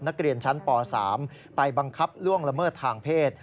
นักเรียนชั้นป๓ไปบังคับล่วงละเมิดทางเพศ